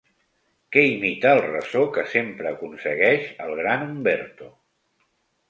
Que imita el ressò que sempre aconsegueix el gran Umberto.